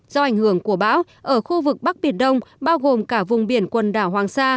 do ảnh hưởng của bão ở khu vực bắc biển đông bao gồm cả vùng biển quần đảo hoàng sa